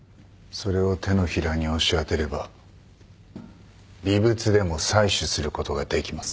それを手のひらに押し当てれば微物でも採取することができます。